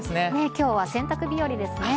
きょうは洗濯日和ですね。